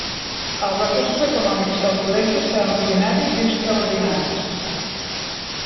Els recursos econòmics del Col·legi seran ordinaris i extraordinaris.